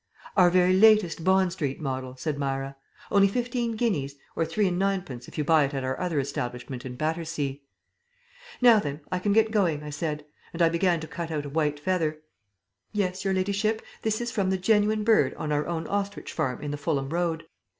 "Our very latest Bond Street model," said Myra. "Only fifteen guineas or three and ninepence if you buy it at our other establishment in Battersea." "Now then, I can get going," I said, and I began to cut out a white feather. "Yes, your ladyship, this is from the genuine bird on our own ostrich farm in the Fulham Road.